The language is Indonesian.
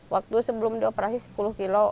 waktu sebelum dioperasi sepuluh kilo